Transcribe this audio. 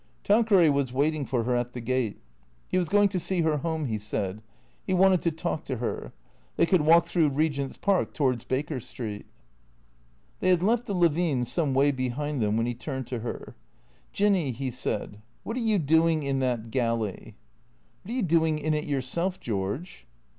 Tanqueray was waiting for her at the gate. He was going to see her home, he said. He wanted to talk to her. They could walk through Regent's Park towards Baker Street. They had left the Levines' some way behind them when he turned to her. " Jinny," he said, " what are you doing in that galley ?" "What are you doing in it yourself, George?"